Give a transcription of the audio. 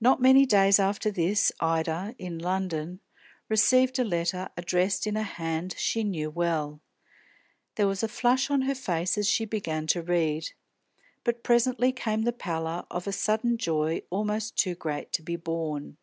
Not many days after this, Ida, in London, received a letter, addressed in a hand she knew well. There was a flush on her face as she began to read; but presently came the pallor of a sudden joy almost too great to be borne.